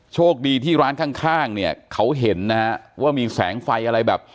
โชคดีที่ร้านข้างเนี่ยเขาเห็นนะฮะว่ามีแสงไฟอะไรแบบ